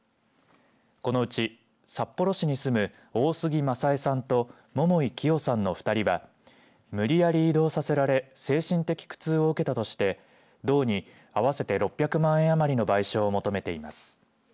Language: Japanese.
このうち札幌市に住む大杉雅栄さんと桃井希生さんの２人は無理やり移動させられ精神的苦痛を受けたとして道に合わせて６００万円余りの賠償を求めています。